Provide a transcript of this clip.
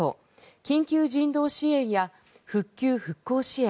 緊急人道支援や復旧・復興支援